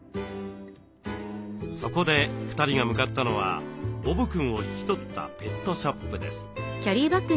そこで２人が向かったのはボブくんを引き取ったペットショップです。